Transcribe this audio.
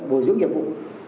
bồi dưỡng nhiệm vụ